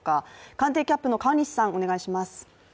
官邸キャップの川西さん、お願いします。